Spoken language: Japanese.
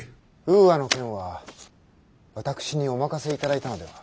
「ウーアの件は私にお任せいただいたのでは？」。